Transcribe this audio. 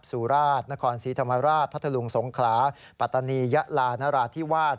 สุราชนครสีธรรมราชพระธรุงสงขลาปตนียลานราธิวาส